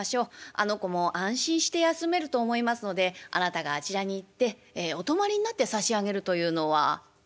あの子も安心して休めると思いますのであなたがあちらに行ってお泊まりになってさしあげるというのは」。